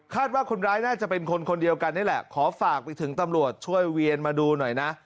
ว่าคนร้ายน่าจะเป็นคนคนเดียวกันนี่แหละขอฝากไปถึงตำรวจช่วยเวียนมาดูหน่อยนะ